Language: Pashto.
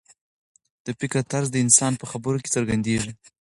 د فکر طرز د انسان په خبرو کې څرګندېږي.